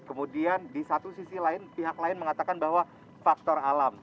kemudian di satu sisi lain pihak lain mengatakan bahwa faktor alam